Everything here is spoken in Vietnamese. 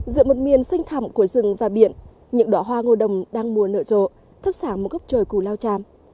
giữa một miền xanh thẳm của rừng và biển những đỏ hoa ngô đồng đang mùa nở rộ thấp sáng một góc trời cù lao chàm